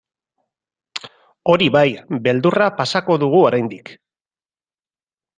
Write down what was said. Hori bai, beldurra pasako dugu oraindik.